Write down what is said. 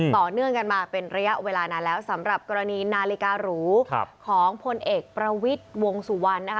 ต่อเนื่องกันมาเป็นระยะเวลานานแล้วสำหรับกรณีนาฬิการูของพลเอกประวิทย์วงสุวรรณนะคะ